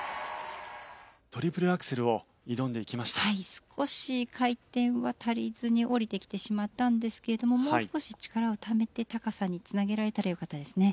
少し回転は足りずに降りてきてしまったんですけどももう少し力をためて高さにつなげられたらよかったですね。